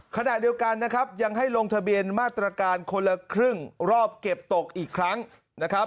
ขณะเดียวกันนะครับยังให้ลงทะเบียนมาตรการคนละครึ่งรอบเก็บตกอีกครั้งนะครับ